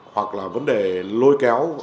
hoặc là vấn đề lôi kéo